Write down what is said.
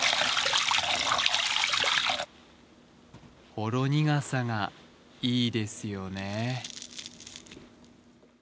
ほろ苦さがいいですよね。